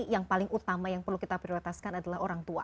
yang paling utama yang perlu kita prioritaskan adalah orang tua